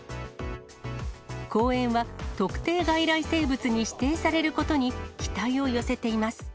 公園は、特定外来生物に指定されることに期待を寄せています。